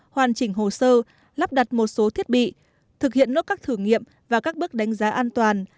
hoàn chỉnh hồ sơ lắp đặt một số thiết bị thực hiện nốt các thử nghiệm và các bước đánh giá an toàn